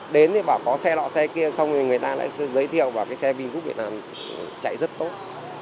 đến thì bảo có xe lọ xe kia không thì người ta lại giới thiệu vào cái xe vingroup việt nam chạy rất tốt